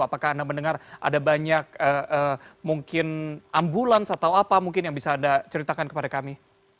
apakah anda mendengar ada banyak mungkin ambulans atau apa mungkin yang bisa anda ceritakan kepada kami